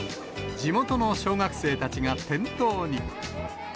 地元の小学生たちが店頭に。